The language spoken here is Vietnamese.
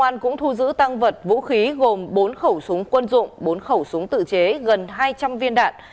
công an cũng thu giữ tăng vật vũ khí gồm bốn khẩu súng quân dụng bốn khẩu súng tự chế gần hai trăm linh viên đạn